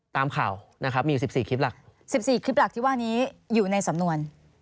ตามข่าวนะครับมีอยู่๑๔คลิปหลัก๑๔คลิปหลักที่ว่านี้อยู่ในสำนวน